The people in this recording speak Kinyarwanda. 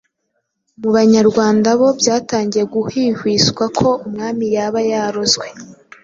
Mu banyarwanda bo byatangiye guhwihwiswa ko umwami yaba yarozwe